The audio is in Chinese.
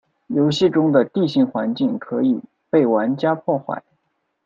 游戏中的地形环境可以被玩家破坏。